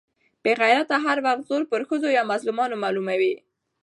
بې غيرته هر وخت زور پر ښځو يا مظلومانو معلوموي.